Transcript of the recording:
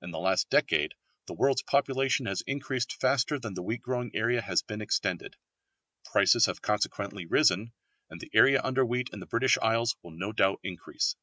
In the last decade the world's population has increased faster than the wheat growing area has been extended. Prices have consequently risen, and the area under wheat in the British Isles will no doubt increase.